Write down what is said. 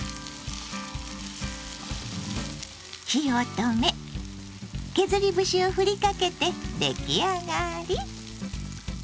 火を止め削り節をふりかけてできあがり！